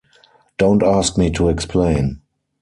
Don't ask me to explain.